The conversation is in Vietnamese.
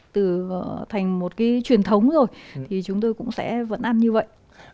từ thành một cái truyền thống rồi thì chúng tôi cũng sẽ vẫn ăn như vậy